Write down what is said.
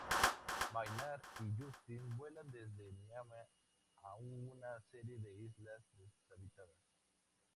Maynard y Justin vuelan desde Miami a una serie de islas deshabitadas.